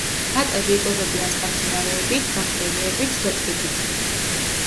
მატლები იკვებებიან წყალმცენარეებით, ბაქტერიებით, დეტრიტით.